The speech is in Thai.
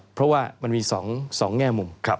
เพราะว่ามันมี๒แง่มุม